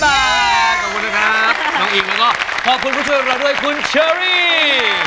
ขอบคุณนะครับน้องอิงแล้วก็ขอบคุณผู้ช่วยของเราด้วยคุณเชอรี่